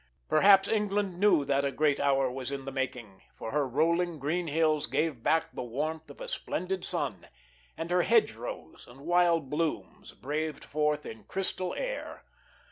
Perhaps England knew that a great hour was in the making, for her rolling green hills gave back the warmth of a splendid sun, and her hedgerows and wild blooms braved forth in crystal air.